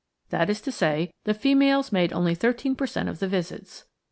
That is to say, the females made only thirteen per cent of the visits.